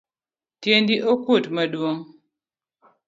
Tiendi okuot maduong.